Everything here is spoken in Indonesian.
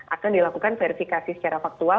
akan dilakukan verifikasi secara faktual